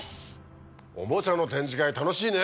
おもちゃの展示会楽しいね。